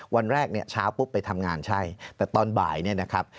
วันแรกเนี่ยเช้าปุ๊บไปทำงานใช่แต่ตอนบ่ายเนี่ยนะครับ